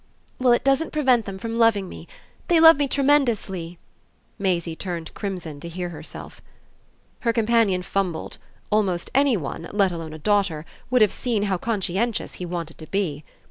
"Well, it doesn't prevent them from loving me. They love me tremendously." Maisie turned crimson to hear herself. Her companion fumbled; almost any one let alone a daughter would have seen how conscientious he wanted to be.